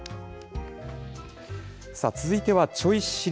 続いてはちょい知り！